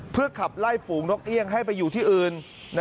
เพื่อขับไล่ฝูงนกเอี่ยงให้ไปอยู่ที่อื่น